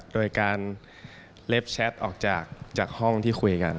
โดยการเล็บแชทออกจากห้องที่คุยกัน